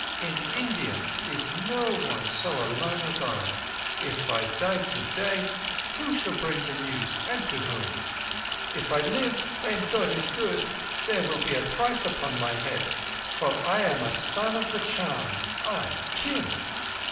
"In all India is no one so alone as I! If I die today, who shall bring the news—and to whom? If I live and God is good, there will be a price upon my head, for I am a Son of the Charm—I, Kim."